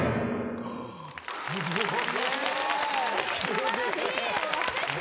素晴らしい演奏でした。